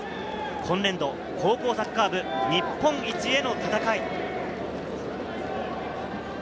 今年度高校サッカー部、日本一への戦い。